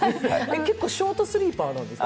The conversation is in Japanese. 結構ショートスリーパーなんですか？